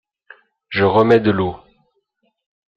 Je remets de l’eau.